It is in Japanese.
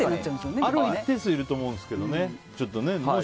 一定数いると思うんですけどね。